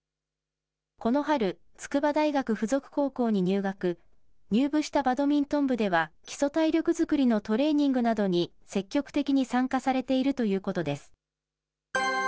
この春、筑波大学附属高校に入学、入部したバドミントン部では基礎体力作りのトレーニングなどに積極的に参加されているということです。